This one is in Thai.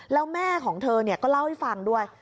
แล้วแม่ของเธอก็เล่าให้ฟังด้วย